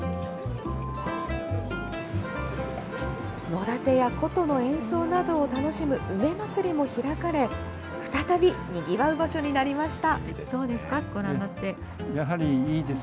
野だてや琴の演奏などを楽しむ梅祭りも開かれ、再びにぎわう場所になりました。